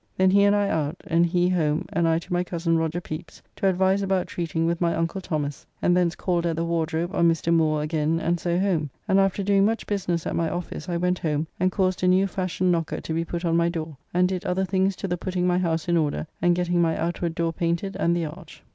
Then he and I out, and he home and I to my cozen Roger Pepys to advise about treating with my uncle Thomas, and thence called at the Wardrobe on Mr. Moore again, and so home, and after doing much business at my office I went home and caused a new fashion knocker to be put on my door, and did other things to the putting my house in order, and getting my outward door painted, and the arch.